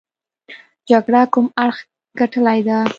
جګړه کوم اړخ ګټلې ده.